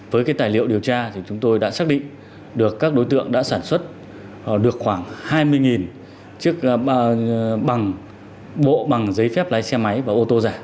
với cái tài liệu điều tra thì chúng tôi đã xác định được các đối tượng đã sản xuất được khoảng hai mươi chiếc bằng bộ bằng giấy phép lái xe máy và ô tô giả